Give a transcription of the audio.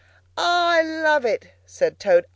"I love it," said Toad.